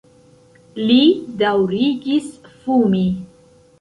Li daŭrigis fumi.